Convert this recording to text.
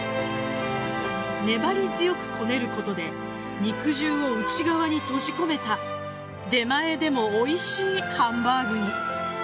粘り強くこねることで肉汁を内側に閉じ込めた出前でもおいしいハンバーグに。